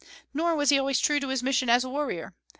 Nor was he always true to his mission as a warrior.